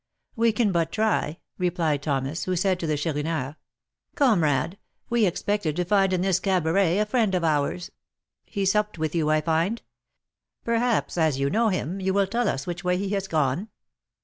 "We can but try," replied Thomas, who said to the Chourineur, "Comrade, we expected to find in this cabaret a friend of ours; he supped with you, I find. Perhaps, as you know him, you will tell us which way he has gone?"